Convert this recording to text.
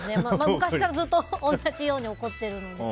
昔からずっと同じように怒っているので。